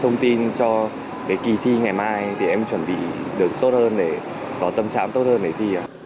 thông tin cho để kỳ thi ngày mai thì em chuẩn bị được tốt hơn để có tâm sản tốt hơn để thi